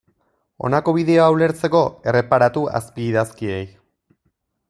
Honako bideoa ulertzeko, erreparatu azpiidazkiei.